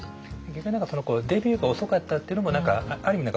逆に何かデビューが遅かったっていうのもある意味